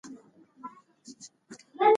حیات الله له خپلې کړکۍ څخه د قمرۍ ننداره کوي.